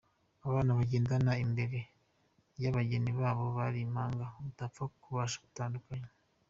Abana bagendaga imbere y'abageni nabo bari impanga utapfa kubasha gutandukanya.